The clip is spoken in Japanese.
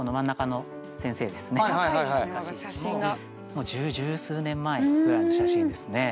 もう十数年前ぐらいの写真ですね。